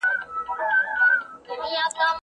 یوازیتوب انسان ته زیان رسوي.